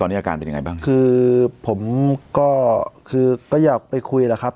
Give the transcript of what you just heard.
ตอนนี้อาการเป็นยังไงบ้างคือผมก็คือก็อยากไปคุยแหละครับ